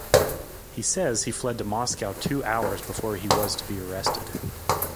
He says he fled to Moscow two hours before he was to be arrested.